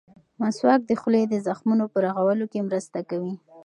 مسواک د خولې د زخمونو په رغولو کې مرسته کوي.